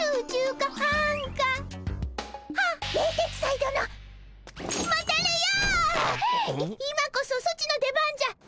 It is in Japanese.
い今こそソチの出番じゃ。